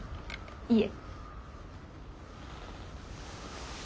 いえ。